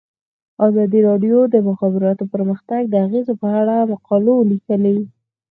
ازادي راډیو د د مخابراتو پرمختګ د اغیزو په اړه مقالو لیکلي.